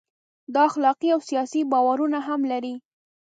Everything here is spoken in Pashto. دا اخلاقي او سیاسي باورونه هم لري.